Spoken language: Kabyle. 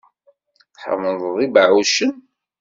Tḥemmleḍ ibeɛɛucen?